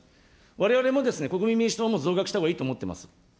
われわれも国民民主党も増額したほうがいいと思っています。